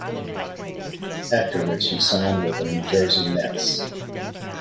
After which he signed with the New Jersey Nets.